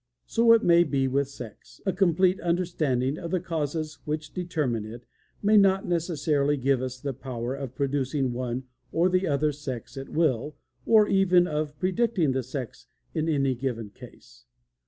So it may be with sex; a complete understanding of the causes which determine it may not necessarily give us the power of producing one or the other sex at will, or even of predicting the sex in any given case.